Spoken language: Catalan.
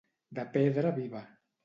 De pedra viva.